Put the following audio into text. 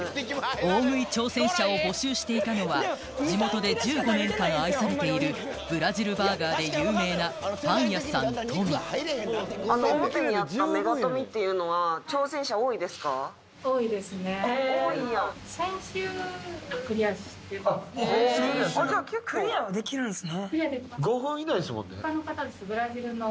大食い挑戦者を募集していたのは地元で１５年間愛されているブラジルバーガーで有名な表にあったメガトミっていうのはあっ多いんやあっじゃ結構クリアはできるんすね５分以内ですもんね